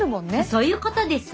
そういうことです。